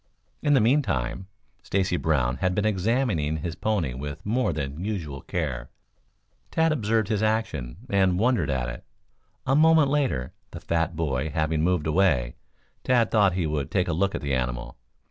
In the meantime, Stacy Brown had been examining his pony with more than usual care. Tad observed his action, and wondered at it. A moment later, the fat boy having moved away; Tad thought he would take a look at the animal.